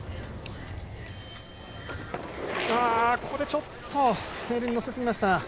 ここでちょっとテールに乗せすぎました。